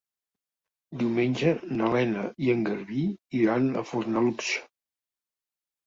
Diumenge na Lena i en Garbí iran a Fornalutx.